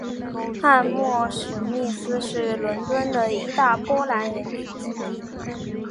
汉默史密斯是伦敦的一大波兰人聚居地。